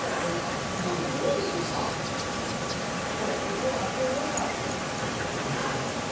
もうあとはもう盛りつけるだけ。